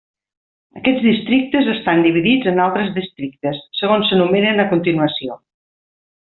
Aquests districtes estan dividits en altres districtes, segons s'enumeren a continuació.